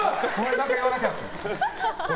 何か言わなきゃって。